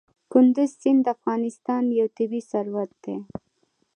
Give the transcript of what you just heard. کندز سیند د افغانستان یو طبعي ثروت دی.